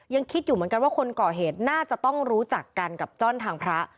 ยังคิดอยู่เหมือนกันว่าคนก่อเหตุน่าจะต้องรู้จักกันกับจ้อนทางพระ